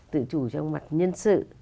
tự chủ trong mặt nhân sự